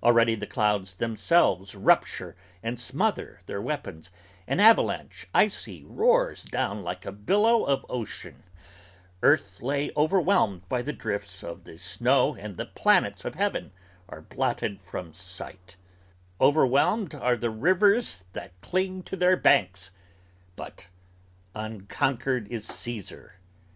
Already the clouds themselves rupture and smother their weapons, An avalanche icy roars down like a billow of ocean; Earth lay overwhelmed by the drifts of the snow and the planets Of heaven are blotted from sight; overwhelmed are the rivers That cling to their banks, but unconquered is Caesar!